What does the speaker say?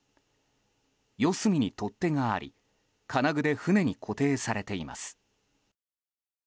４隅に取っ手があり金具で船に固定されています。